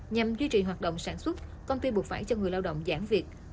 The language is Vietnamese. nhằm duy trì hoạt động sản xuất công ty buộc phải cho người lao động giãn việc